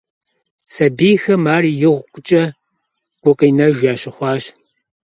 Сабийхэм ар икъукӀэ гукъинэж ящыхъуащ.